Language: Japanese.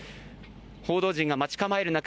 報道陣が待ち構える中